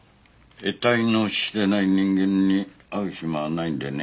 得体の知れない人間に会う暇はないんでね。